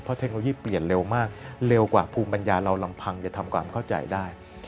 เทคโนโลยีเปลี่ยนเร็วมากเร็วกว่าภูมิปัญญาเราลำพังจะทำความเข้าใจได้